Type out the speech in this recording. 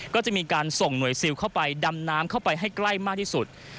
ก็จะมีการส่งหน่วยซิลเข้าไปดำน้ำเข้าไปให้ใกล้มากที่สุด